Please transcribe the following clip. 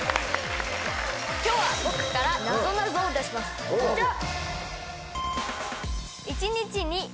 今日は僕からなぞなぞを出しますこちら！